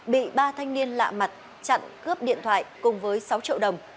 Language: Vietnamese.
bị ba thanh niên lạ mặt chặn cướp điện thoại cùng với sáu triệu đồng